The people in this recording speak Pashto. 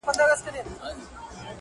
دا پير اوملا غواړي .!داسي هاسي نه كيږي.!